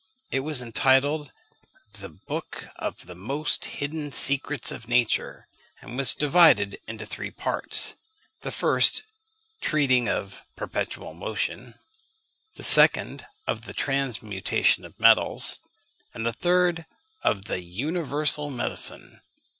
It was entitled The Book of the most Hidden Secrets of Nature, and was divided into three parts; the first treating of "perpetual motion;" the second of the "transmutation of metals;" and the third of the "universal medicine."